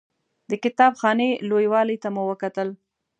د کتاب خانې لوی والي ته مو وکتل.